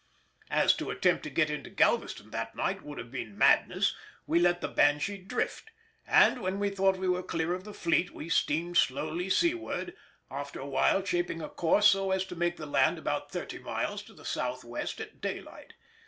As to attempt to get into Galveston that night would have been madness, we let the Banshee drift and, when we thought we were clear of the fleet, we steamed slowly seaward, after a while shaping a course so as to make the land about thirty miles to the south west at daylight.